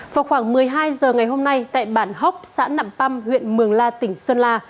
vào khoảng một mươi hai h ngày hôm nay tại bản hốc xã nạm păm huyện mường la tỉnh sơn la